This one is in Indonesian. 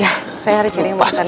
ya saya harus cari yang mau ke sana